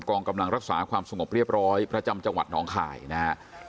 กองกำลังรักษาความสงบเรียบร้อยประจำจังหวัดหนองคายนะครับ